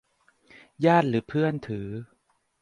ญาติหรือเพื่อนถือ